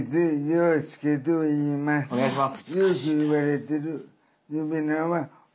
お願いします。